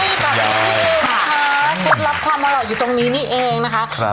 โอ้ยแบบนี้นะคะเก็บรับความอร่อยอยู่ตรงนี้นี่เองนะคะ